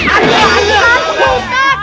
aduh aduh aduh